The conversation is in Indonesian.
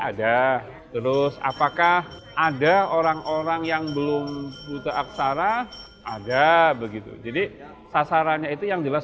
ada terus apakah ada orang orang yang belum buta aksara ada begitu jadi sasarannya itu yang jelas